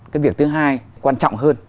cái việc thứ hai quan trọng hơn